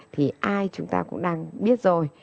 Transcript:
thì ai chúng ta cũng đang biết rồi